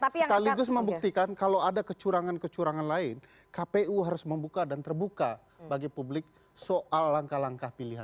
sekaligus membuktikan kalau ada kecurangan kecurangan lain kpu harus membuka dan terbuka bagi publik soal langkah langkah pilihan